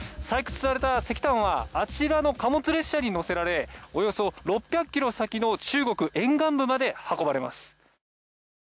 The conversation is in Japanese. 採掘された石炭はあちらの貨物列車に乗せられおよそ６００キロ先の中国沿岸部まで運ばれます。